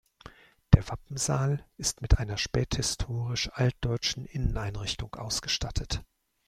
Der „Wappensaal“ ist mit einer späthistoristisch-altdeutschen Inneneinrichtung ausgestattet.